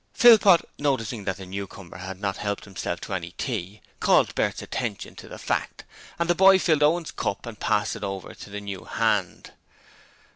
Philpot, noticing that the newcomer had not helped himself to any tea, called Bert's attention to the fact and the boy filled Owen's cup and passed it over to the new hand.